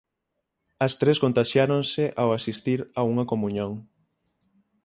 As tres contaxiáronse ao asistir a unha comuñón.